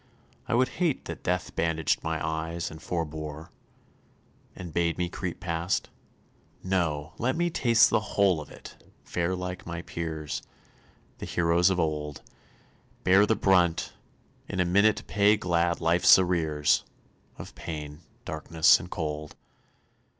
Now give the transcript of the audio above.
I would hate that death bandaged my eyes, and forbore. And bade me creep past. No! let me taste the whole of it, fare like my peers The heroes of old, Bear the brunt, in a minute pay glad life's arrears Of pain, darkness and cold.